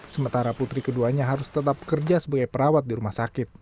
sementara putri keduanya harus tetap kerja sebagai perawat di rumah sakit